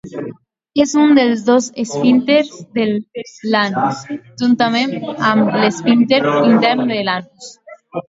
És un dels dos esfínters de l'anus, juntament amb l'esfínter intern de l'anus.